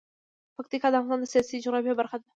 پکتیکا د افغانستان د سیاسي جغرافیه برخه ده.